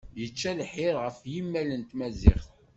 Yečča lḥir ɣef yimmal n Tmaziɣt.